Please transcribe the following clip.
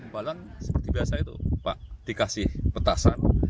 balan seperti biasa itu pak dikasih petasan